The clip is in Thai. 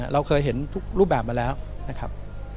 เราเคยเห็นทุกรูปแบบมาแล้วนะครับ